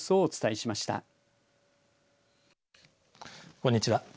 こんにちは。